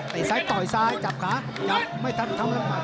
เตะซ้ายต่อยซ้ายจับขาจับไม่ทันทั้งละมาท